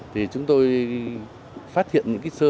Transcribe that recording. thì chúng tôi phát hiện những sơ